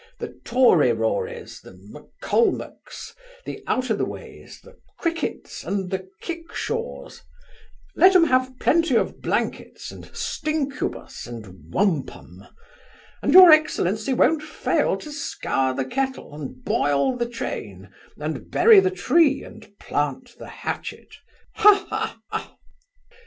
The Toryrories, the Maccolmacks, the Out o'the ways, the Crickets, and the Kickshaws Let 'em have plenty of blankets, and stinkubus, and wampum; and your excellency won't fail to scour the kettle, and boil the chain, and bury the tree, and plant the hatchet Ha, ha, ha!